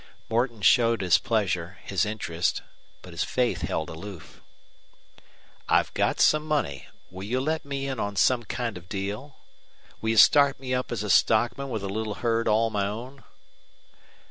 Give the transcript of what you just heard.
Morton showed his pleasure, his interest, but his faith held aloof. "I've got some money. Will you let me in on some kind of deal? Will you start me up as a stockman with a little herd all my own?"